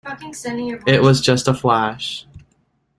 It was just a flash.